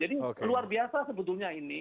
jadi luar biasa sebetulnya ini